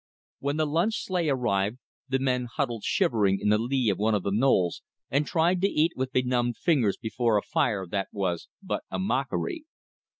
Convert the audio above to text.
When the lunch sleigh arrived, the men huddled shivering in the lee of one of the knolls, and tried to eat with benumbed fingers before a fire that was but a mockery.